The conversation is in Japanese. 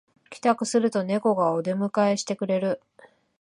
帰宅するとネコがお出迎えしてくれる